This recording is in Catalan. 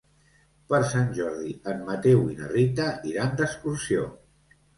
Per Sant Jordi en Mateu i na Rita iran d'excursió.